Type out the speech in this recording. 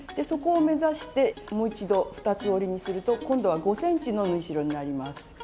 そこを目指してもう一度二つ折りにすると今度は５ｃｍの縫い代になります。